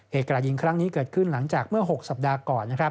กระดาษยิงครั้งนี้เกิดขึ้นหลังจากเมื่อ๖สัปดาห์ก่อน